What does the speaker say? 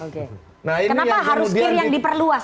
kenapa harus kir yang diperluas